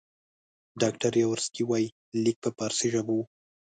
ډاکټر یاورسکي وایي لیک په فارسي ژبه وو.